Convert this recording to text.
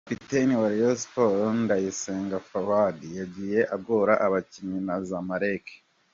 Kapiteni wa Rayon Sports Ndayisenga Fuadi yagiye agora abakinnyi ba Zamalek.